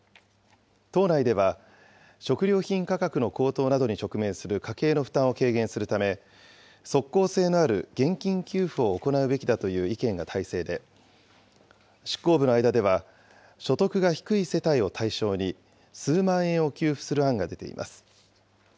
党内では、食料品価格の高騰などに直面する家計の負担を軽減するため、即効性のある現金給付を行うべきだという意見が大勢で、執行部の間では、所得が低い世帯を対象に、数万円を給付する案が出ています。